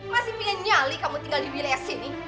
masih pengen nyali kamu tinggal di wilayah sini